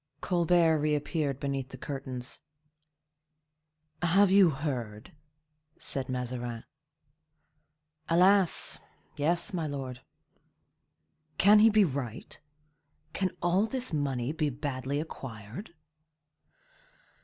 Colbert reappeared beneath the curtains. "Have you heard?" said Mazarin. "Alas! yes, my lord." "Can he be right? Can all this money be badly acquired?"